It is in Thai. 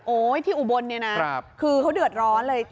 ที่อุบลเนี่ยนะคือเขาเดือดร้อนเลย